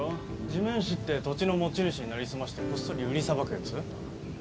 地面師って土地の持ち主に成り済ましてこっそり売りさばくやつ？